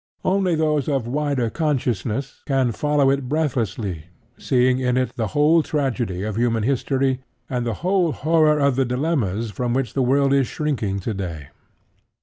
Only those of wider consciousness can follow it breathlessly, seeing in it the whole tragedy of human history and the whole horror of the dilemmas from which the world is shrinking today.